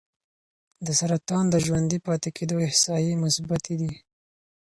د سرطان د ژوندي پاتې کېدو احصایې مثبتې دي.